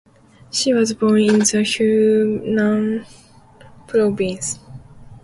She was born in the Hunan province.